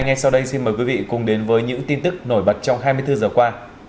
ngay sau đây xin mời quý vị cùng đến với những tin tức nổi bật trong hai mươi bốn giờ qua